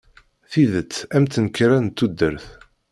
Tidet am tenkerra n tudert.